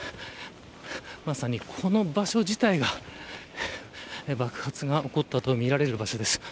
まさに、この場所自体が爆発が起こったとみられる場所です。